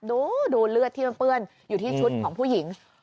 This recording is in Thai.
ดูเลือดที่มันเปื้อนอยู่ที่ชุดของผู้หญิง